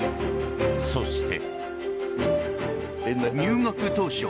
そして。